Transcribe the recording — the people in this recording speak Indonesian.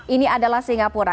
ini adalah singapura